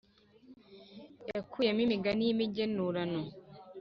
yakuyemo imigani y’imigenurano.